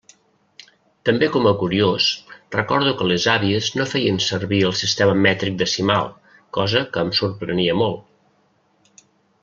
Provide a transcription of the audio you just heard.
També com a curiós recordo que les àvies no feien servir el sistema mètric decimal, cosa que em sorprenia molt.